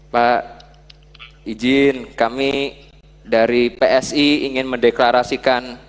pak izin kami dari psi ingin mendeklarasikan